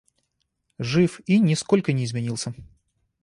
Жив и нисколько не изменился.